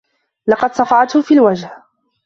لقد صفعته في الوجه.